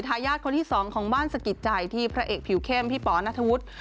ทายาทคนที่สองของบ้านสะกิดใจที่พระเอกผิวเข้มพี่ป๋อนัทธวุฒิ